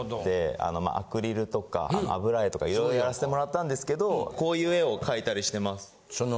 あのまあアクリルとか油絵とかいろいろやらしてもらったんですけどこういう絵を描いたりしてます。